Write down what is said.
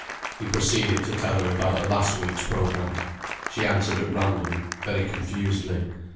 He proceeded to tell her about the last week's programme. She answered at random, very confusedly.